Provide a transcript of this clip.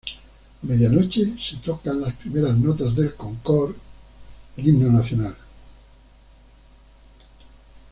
A medianoche se tocan las primeras notas del Concorde, el himno nacional.